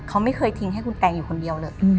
เขาไม่เคยทิ้งให้คุณแตงอยู่คนเดียวเลย